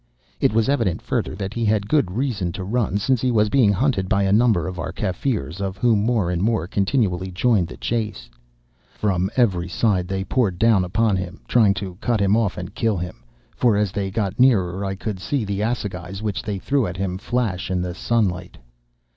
It was evident, further, that he had good reason to run, since he was being hunted by a number of our Kaffirs, of whom more and more continually joined the chase. From every side they poured down upon him, trying to cut him off and kill him, for as they got nearer I could see the assegais which they threw at him flash in the sunlight.